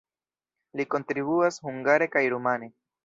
Li kontribuas hungare kaj rumane.